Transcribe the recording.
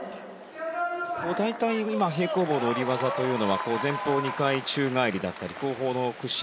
大体、今平行棒の下り技というのは前方２回宙返りだったり後方の屈身